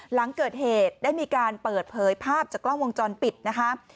หลังเกิดเหตุได้มีการเปิดเผยภาพจากกล้องวงจรปิดนะคะ